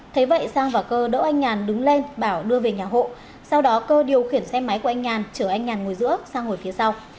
thế vậy sang và cơ đỗ anh nhàn đứng lên bảo đưa về nhà hộ sau đó cơ điều khiển xe máy của anh nhàn chở anh nhàn ngồi giữa sang ngồi phía sau